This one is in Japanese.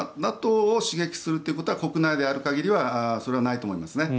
ＮＡＴＯを刺激するということは国内である限りはそれはないと思います。